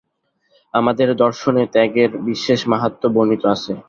আমাদের দর্শনে ত্যাগের বিশেষ মাহাত্ম্য বর্ণিত আছে।